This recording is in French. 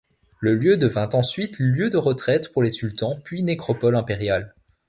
Le lieu devint ensuite lieu de retraite pour les sultans, puis nécropole impériale.